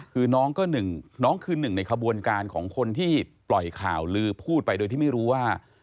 คือน้องก็หนึ่งน้องคือหนึ่งในขบวนการของคนที่ปล่อยข่าวลือพูดไปโดยที่ไม่รู้ว่า